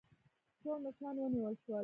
ټول مشران ونیول شول.